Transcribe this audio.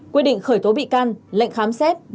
quy định khởi tố bị can lệnh khám xét